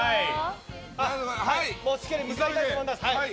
しっかり向かいたいと思います。